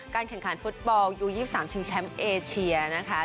การแข่งขันฟุตบอลยูยี่สิบสามชิงแชมป์เอเชียนะคะ